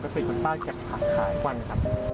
กะทิขนต้าเก็บผักขายทุกวันไหมครับ